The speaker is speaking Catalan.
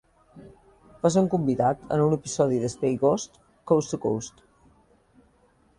Va ser un convidat en un episodi de Space Ghost Coast to Coast.